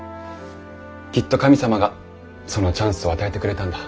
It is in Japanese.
きっと神様がそのチャンスを与えてくれたんだ。